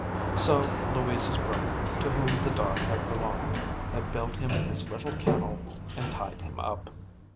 So Louisa's brother, to whom the dog had belonged, had built him his little kennel and tied him up.